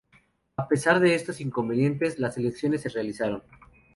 A pesar de estos inconvenientes las elecciones se realizaron.